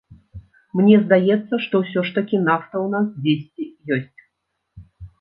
Мне здаецца, што ўсё ж такі нафта ў нас дзесьці ёсць.